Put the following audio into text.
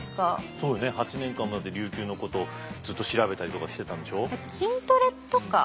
そうよね８年間も琉球のことずっと調べたりとかしてたんでしょ？